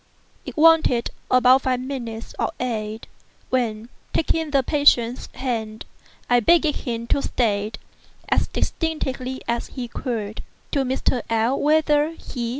It wanted about five minutes of eight when, taking the patient's hand, I begged him to state, as distinctly as he could, to Mr. L—l, whether he (M.